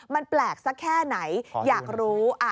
มันแปลกสักแค่ไหนอยากรู้